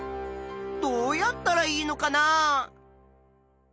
どうやったらいいのかなあ？